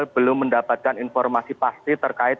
belum mendapatkan informasi pasti terkait